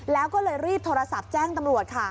แล้วก็เลยรีบโทรศัพท์แจ้งตำรวจค่ะ